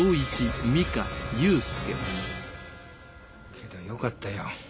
けどよかったよ